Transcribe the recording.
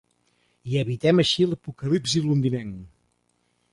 I evitem així l'apocalipsi londinenc!